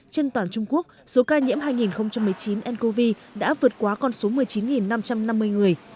trên toàn trung quốc số ca nhiễm hai nghìn một mươi chín ncov đã vượt qua con số một mươi chín năm trăm năm mươi người